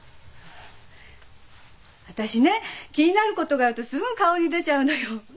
私ね気になることがあるとすぐ顔に出ちゃうのよ。